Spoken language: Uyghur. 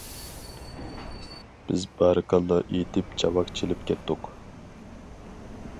بىز بارىكاللا ئېيتىپ چاۋاك چېلىپ كەتتۇق.